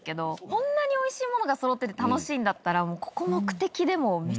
こんなにおいしいものがそろってて楽しいんだったら。